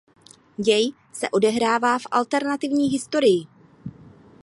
Děj se odehrává v alternativní historii.